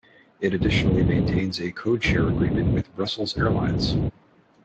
It additionally maintains a codeshare agreement with Brussels Airlines.